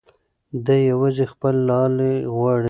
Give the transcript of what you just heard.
دی یوازې خپل لالی غواړي.